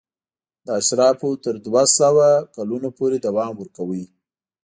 دا اشرافو تر دوه سوه کلونو پورې دوام ورکاوه.